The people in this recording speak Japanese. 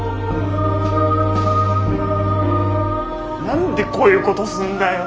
何でこういうことすんだよ。